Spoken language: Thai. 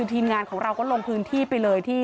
ทีมงานของเราก็ลงพื้นที่ไปเลยที่